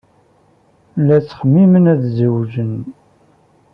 La ttxemmimen ad zewǧen.